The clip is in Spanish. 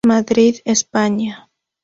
Madrid, España.